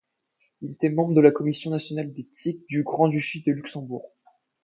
Il était membre de la Commission nationale d'éthique du Grand-Duché de Luxembourg.